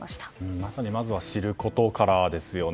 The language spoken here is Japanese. まさにまずは知ることからですよね。